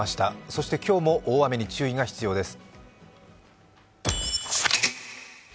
そして今日も大雨に注意が必要です。